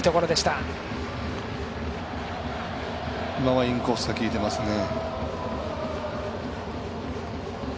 今はインコースが効いていますね。